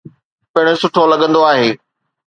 پڻ سٺو لڳندو آهي.